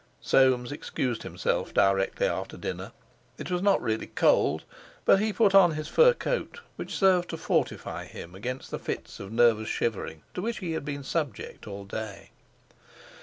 Soames excused himself directly after dinner. It was not really cold, but he put on his fur coat, which served to fortify him against the fits of nervous shivering to which he had been subject all day.